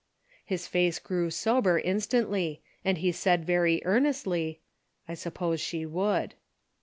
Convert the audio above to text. . His face grew sober instantly, and he said very earnestly :" I suppose she would."